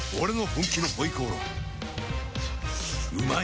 うまい！